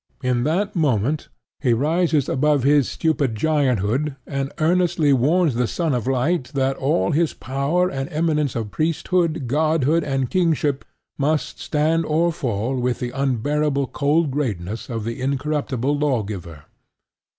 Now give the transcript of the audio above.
In that moment he rises above his stupid gianthood, and earnestly warns the Son of Light that all his power and eminence of priesthood, godhood, and kingship must stand or fall with the unbearable cold greatness of the incorruptible law giver.